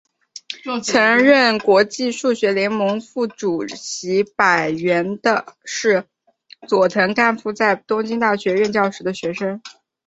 曾任国际数学联盟副主席柏原是佐藤干夫在东京大学任教时的学生。